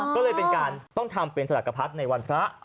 ก็เลยเป็นการต้องทำเป็นสลักพรรดิในวันพระ